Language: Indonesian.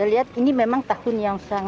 ini memang tahun yang sangat luas sekali pak